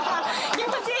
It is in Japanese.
気持ちいい！